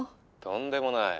とんでもない。